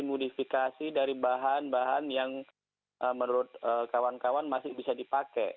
modifikasi dari bahan bahan yang menurut kawan kawan masih bisa dipakai